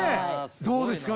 どうですか？